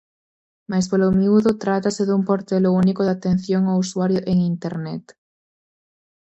Máis polo miúdo, trátase dun portelo único de atención ao usuario en Internet.